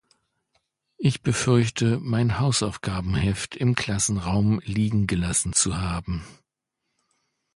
Ich befürchte, mein Hausaufgabenheft im Klassenraum liegen gelassen zu haben.